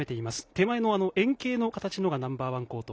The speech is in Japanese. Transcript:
手前の円形の形のがナンバー１コート。